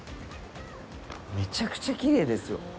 めちゃくちゃきれいですよ。